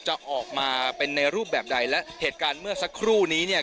จะออกมาเป็นในรูปแบบใดและเหตุการณ์เมื่อสักครู่นี้เนี่ย